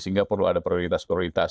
sehingga perlu ada prioritas prioritas